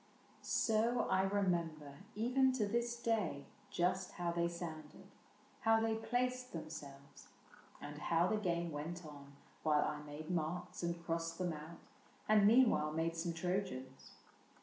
So I remember, even to this day, Just how they sounded, how they placed them selves, And how the game went on while I made marks And crossed them out, and meanwhile made some Trojans.